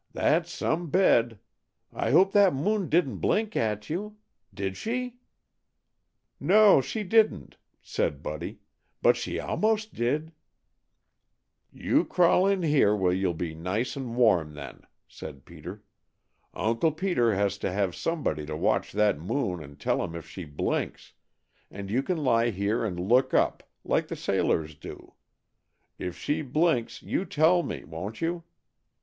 "That's some bed! I hope that moon didn't blink at you. Did she?" "No, she didn't," said Buddy. "But she almost did." "You crawl in here where you'll be nice and warm, then," said Peter. "Uncle Peter has to have somebody to watch that moon and tell him if she blinks, and you can lie here and look up, like the sailors do. If she blinks, you tell me, won't you?"